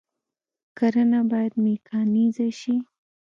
کرنه باید میکانیزه شي